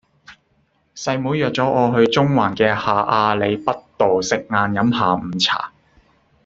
細妹約左我去中環嘅下亞厘畢道食晏飲下午茶